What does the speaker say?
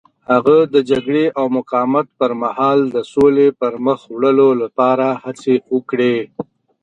هغه د جګړې او مقاومت پر مهال د سولې پرمخ وړلو لپاره هڅې وکړې.